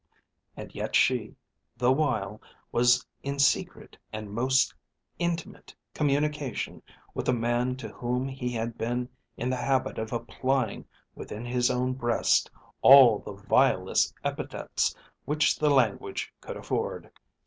And yet she, the while, was in secret and most intimate communication with a man to whom he had been in the habit of applying within his own breast all the vilest epithets which the language could afford.